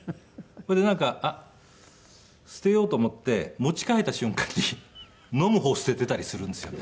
それでなんかあっ捨てようと思って持ち替えた瞬間に飲む方を捨てていたりするんですよね。